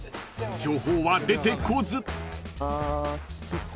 ［情報は出てこず］